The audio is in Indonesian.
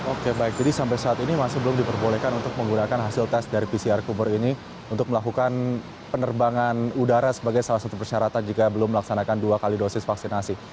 oke baik jadi sampai saat ini masih belum diperbolehkan untuk menggunakan hasil tes dari pcr kubur ini untuk melakukan penerbangan udara sebagai salah satu persyaratan jika belum melaksanakan dua kali dosis vaksinasi